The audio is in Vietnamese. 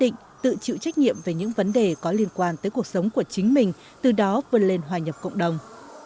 quyết định tự chịu trách nhiệm về những vấn đề có liên quan tới cuộc sống của chính mình từ đó vươn lên hòa nhập cộng đồng